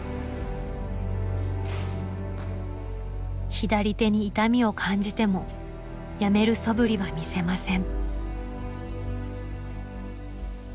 左手に痛みを感じてもやめるそぶりは見せません。